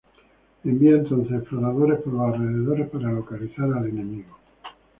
Envía entonces exploradores por los alrededores para localizar al enemigo.